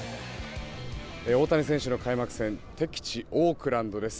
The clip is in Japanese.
大谷選手の開幕戦敵地、オークランドです。